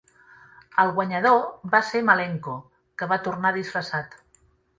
El guanyador va ser Malenko, que va tornar disfressat.